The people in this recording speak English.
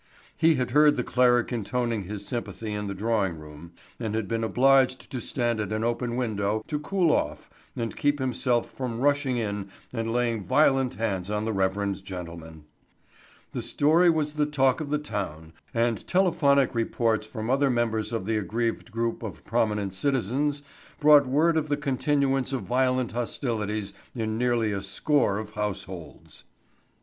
He had heard the cleric intoning his sympathy in the drawing room and had been obliged to stand at an open window to cool off and keep himself from rushing in and laying violent hands on the reverend gentleman. The story was the talk of the town and telephonic reports from other members of the aggrieved group of prominent citizens brought word of the continuance of violent hostilities in nearly a score of households.